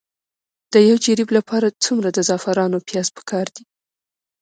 د یو جریب لپاره څومره د زعفرانو پیاز پکار دي؟